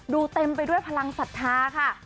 เต็มไปด้วยพลังศรัทธาค่ะ